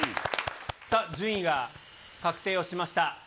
順位が確定をしました。